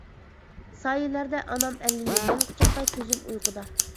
سايىلەردە ئانام ئەللىيى، مەن قۇچاقتا، كۆزۈم ئۇيقۇدا.